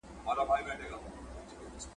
که زور په بازو نه لري زر په ترازو نه لري !.